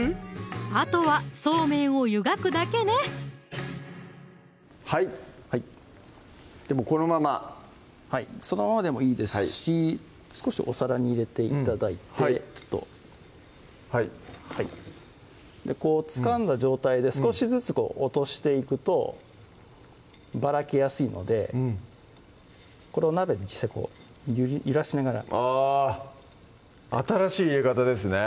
あとはそうめんを湯がくだけねはいこのままはいそのままでもいいですし少しお皿に入れて頂いてはいこうつかんだ状態で少しずつ落としていくとばらけやすいのでうんこれを鍋にしてこう揺らしながらあ新しい入れ方ですね